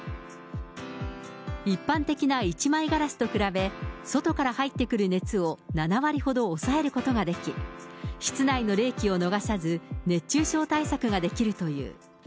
一般的な１枚ガラスと比べ、外から入ってくる熱を７割ほど抑えることができ、室内の冷気を逃さず、熱中症対策ができるという。